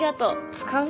使う？